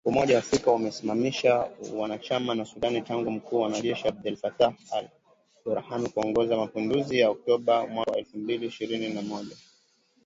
Umoja wa Afrika, umesimamisha uanachama wa Sudan tangu mkuu wa jeshi Abdel Fattah al-Burhan kuongoza mapinduzi ya Oktoba mwaka elfu mbili ishirini na moja.